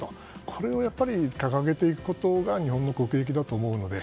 これを掲げていくことが日本の国益だと思うので。